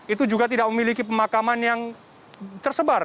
itu juga tidak memiliki pemakaman yang tersebar